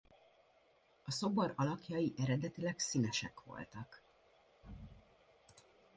A szobor alakjai eredetileg színesek voltak.